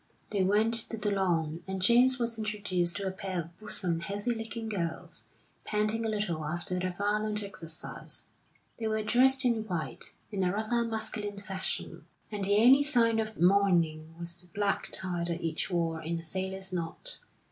They went to the lawn, and James was introduced to a pair of buxom, healthy looking girls, panting a little after their violent exercise. They were dressed in white, in a rather masculine fashion, and the only sign of mourning was the black tie that each wore in a sailor's knot.